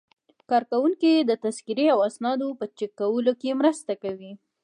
کارکوونکي د تذکرې او اسنادو په چک کولو کې مرسته کوي.